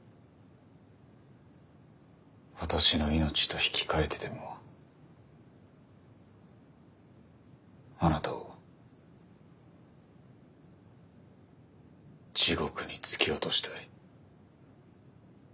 私の命と引き換えてでもあなたを地獄に突き落としたい。